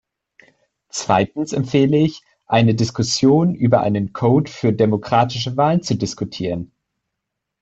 Zweitens empfehle ich, eine Diskussion über einen Kode für demokratische Wahlen zu diskutieren.